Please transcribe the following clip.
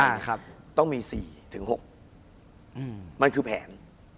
อ่านเลยต้องมีสี่ถึงหกมันคือแผน๔๖